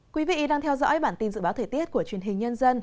quý vị đang theo dõi bản tin dự báo thời tiết của truyền hình nhân dân